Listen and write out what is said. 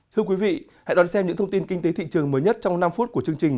thưa quý vị hãy đón xem những thông tin kinh tế thị trường mới nhất trong năm phút của chương trình